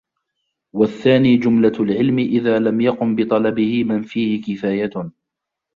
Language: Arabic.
وَالثَّانِي جُمْلَةُ الْعِلْمِ إذَا لَمْ يَقُمْ بِطَلَبِهِ مَنْ فِيهِ كِفَايَةٌ